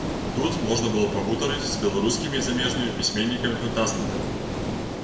Тут можна было пагутарыць з беларускімі і замежнымі пісьменнікамі-фантастамі.